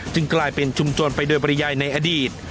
กลายเป็นชุมชนไปโดยปริยายในอดีต